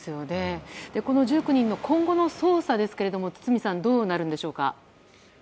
この１９人の今後の捜査ですけど堤さん、どうなるんでしょうか。